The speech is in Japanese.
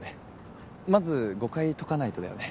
まず誤解解かないとだよね。